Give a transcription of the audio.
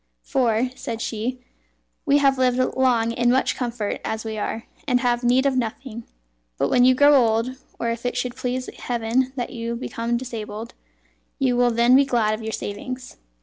"For," said she, "we have lived long in much comfort as we are, and have need of nothing; but when you grow old, or if it should please Heaven that you become disabled, you will then be glad of your savings."